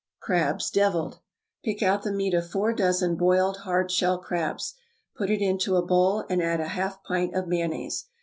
=Crabs, Deviled.= Pick out the meat of four dozen boiled hard shell crabs, put it into a bowl, and add a half pint of mayonnaise.